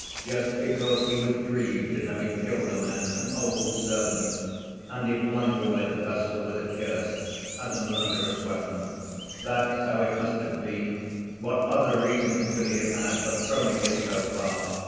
Just because he was grieved at having killed a man, an old servant; and he flung away the pestle with a curse, as a murderous weapon. That's how it must have been, what other reason could he have had for throwing it so far?